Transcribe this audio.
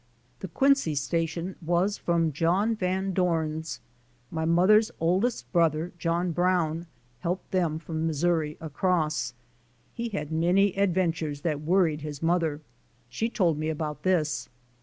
^*The Quincy Station was from John Van Dorn's. My mother's oldest brother, John Brown, helped them from Mis souri across. He had many adventures that worried his mother. She told me about this.